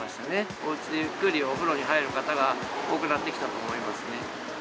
おうちでゆっくりお風呂に入る方が多くなってきたと思いますね。